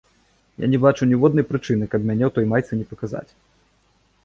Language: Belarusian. Я не бачу ніводнай прычыны, каб мяне ў той майцы не паказаць.